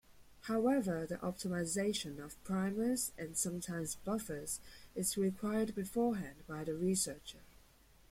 However, the optimisation of primers and sometimes buffers is required beforehand by the researcher.